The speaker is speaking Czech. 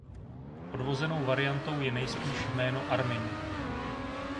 Odvozenou variantou je nejspíš jméno Armin.